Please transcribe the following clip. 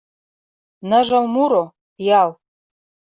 Ныжыл муро — пиал